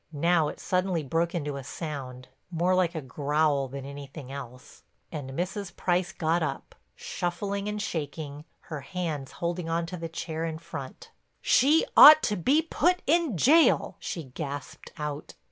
Now it suddenly broke into a sound—more like a growl than anything else—and Mrs. Price got up, shuffling and shaking, her hands holding on to the chair in front. "She ought to be put in jail," she gasped out.